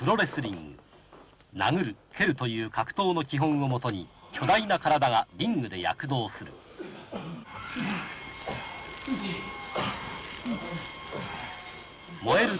殴る蹴るという格闘の基本をもとに巨大な体がリングで躍動する燃える